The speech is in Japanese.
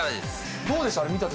どうでした？